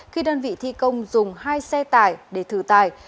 khi đơn vị thi công dùng hai xe tải để thử tải